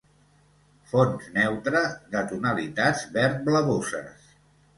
Fons neutre de tonalitats verd-blavoses.